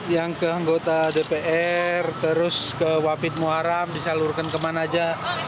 yang ke anggota dpr terus ke wapit muharam disalurkan kemana aja